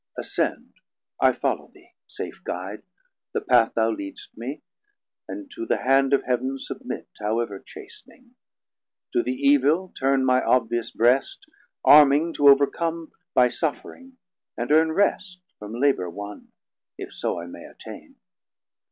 370 Ascend, I follow thee, safe Guide, the path Thou lead'st me, and to the hand of Heav'n submit, However chast'ning, to the evil turne My obvious breast, arming to overcom By suffering, and earne rest from labour won, If so I may attain.